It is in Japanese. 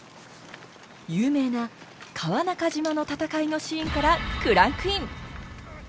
有名な川中島の戦いのシーンからクランクイン！